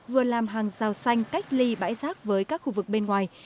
vừa làm hàng rào xanh cách ly bãi giác với các khu vực bên ngoài